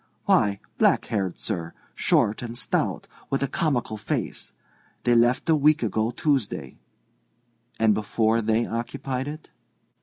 "Why, black haired, sir, short, and stout, with a comical face. They left a week ago Tuesday." "And before they occupied it?"